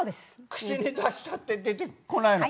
口に出したって出てこないの。